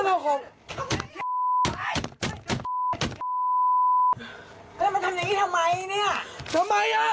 จะเอามีอะไรทำไง